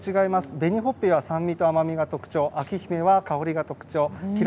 紅ほっぺは酸味や甘みが特徴章姫は香りが特徴きら